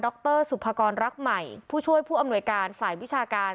รสุภากรรักใหม่ผู้ช่วยผู้อำนวยการฝ่ายวิชาการ